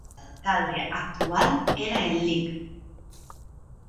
El alcalde actual era el Lic.